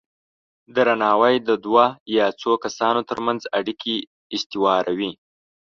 درناوی د دوه یا څو کسانو ترمنځ اړیکې استواروي.